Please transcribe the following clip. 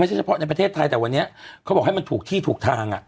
เฉพาะในประเทศไทยแต่วันนี้เขาบอกให้มันถูกที่ถูกทาง